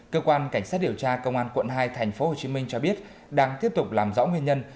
cơ quan cảnh sát điều tra công an quận hai tp hcm cho biết đang tiếp tục làm rõ nguyên nhân